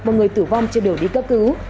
một người tử vong trên đường đi cấp cứu